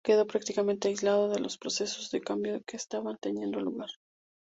Quedó prácticamente aislado de los procesos de cambio que estaban teniendo lugar.